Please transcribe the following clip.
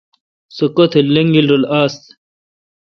سوُ کتھ لنگیل رل آس